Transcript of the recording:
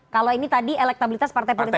kalau ini tadi elektabilitas partai politik